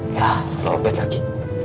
ya luar bad lagi